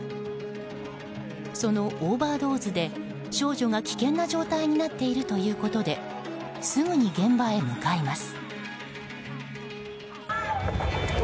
そのオーバードーズで少女が危険な状態になっているということですぐに現場へ向かいます。